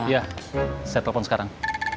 iya saya telepon sekarang